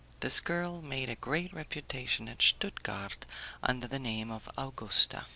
This girl made a great reputation at Stuttgard under the name of Augusta.